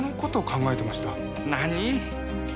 何！？